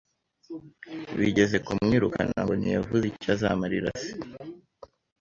bigeze kumwirukana ngo ntiyavuze icyo azamarira se